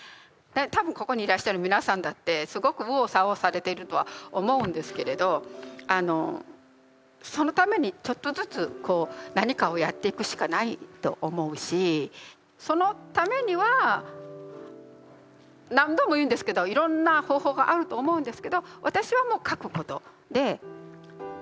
多分ここにいらっしゃる皆さんだってすごく右往左往されているとは思うんですけれどそのためにちょっとずつ何かをやっていくしかないと思うしそのためには何度も言うんですけどいろんな方法があると思うんですけど私はもう書くことで今の自分の絶望